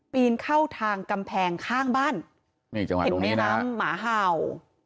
ปีนเข้าทางกำแพงข้างบ้านเห็นไหมคะหมาเห่า